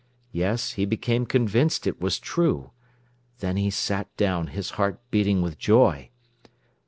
Yes, he became convinced it was true. Then he sat down, his heart beating with joy.